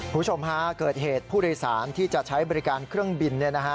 คุณผู้ชมฮะเกิดเหตุผู้โดยสารที่จะใช้บริการเครื่องบิน